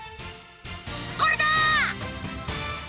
これだ！